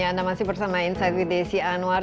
ya anda masih bersama insight with desi anwar